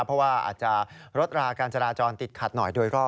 เพราะว่าอาจจะลดราการจราจรติดขัดหน่อยโดยรอบ